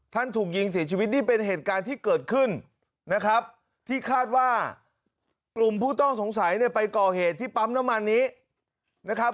ถูกยิงเสียชีวิตนี่เป็นเหตุการณ์ที่เกิดขึ้นนะครับที่คาดว่ากลุ่มผู้ต้องสงสัยเนี่ยไปก่อเหตุที่ปั๊มน้ำมันนี้นะครับ